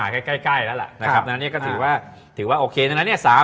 ใกล้แล้วล่ะนะครับนั้นนี้ก็ถือว่าโอเคนะ